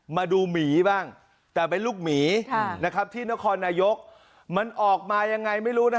มาดูหมีบ้างแต่เป็นลูกหมีนะครับที่นครนายกมันออกมายังไงไม่รู้นะ